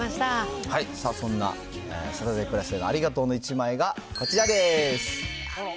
そんなサタデープラスへのありがとうの１枚がこちらです。